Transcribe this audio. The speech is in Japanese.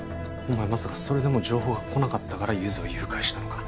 お前まさかそれでも情報が来なかったからゆづを誘拐したのか？